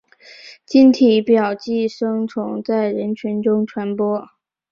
经体表寄生虫在人群中传播。